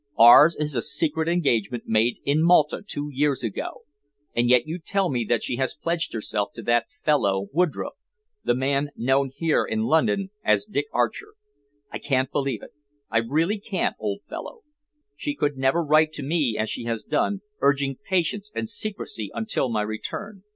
Ours is a secret engagement made in Malta two years ago, and yet you tell me that she has pledged herself to that fellow Woodroffe the man known here in London as Dick Archer. I can't believe it I really can't, old fellow. She could never write to me as she has done, urging patience and secrecy until my return."